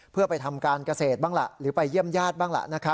เพื่อไปทำการเกษตรบ้างล่ะหรือไปเยี่ยมญาติบ้างล่ะ